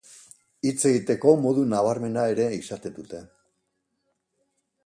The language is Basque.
Hitz egiteko modu nabarmena ere izaten dute.